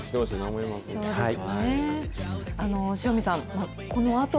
そうですね。